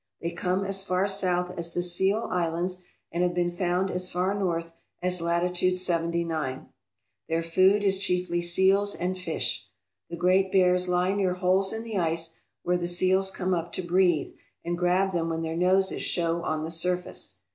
They come as far south as the Seal Islands and have been found as far north as latitude 79. Their food is chiefly seals and fish. The great bears lie near holes in the ice where the seals come up to breathe and grab them when their noses show on the surface.